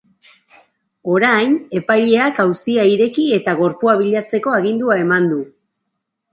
Orain, epaileak auzia ireki eta gorpua bilatzeko agindua eman du.